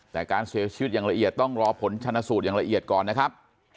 แต่การเสียชีวิตอย่างละเอียดต้องรอผลชนสูตรอย่างละเอียดก่อนนะครับ